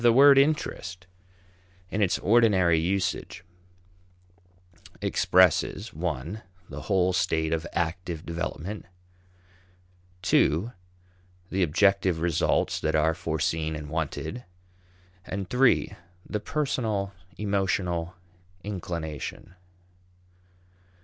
The word interest, in its ordinary usage, expresses (i) the whole state of active development, (ii) the objective results that are foreseen and wanted, and (iii) the personal emotional inclination.